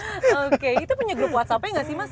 oke itu punya grup whatsapp nya gak sih mas